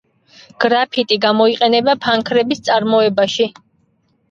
გრაფიტი გამოიყენება ფანქრების წარმოებაში.